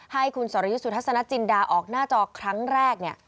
ให้คุณสรยุทธ์สุทัศนจินดาออกหน้าจอครั้งแรก